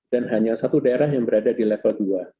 dan hanya satu daerah yang berada di level dua